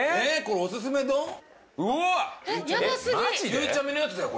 ゆうちゃみのやつだよ